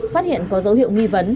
phát hiện có dấu hiệu nghi vấn